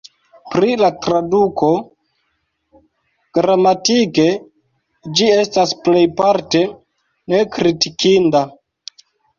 Pri la traduko: gramatike, ĝi estas plejparte nekritikinda.